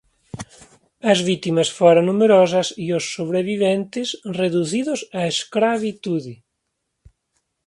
As vítimas foran numerosas e os sobreviventes reducidos á escravitude.